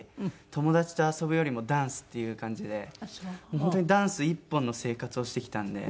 友達と遊ぶよりもダンスっていう感じで本当にダンス一本の生活をしてきたんで。